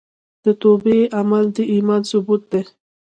د توبې عمل د ایمان ثبوت دی.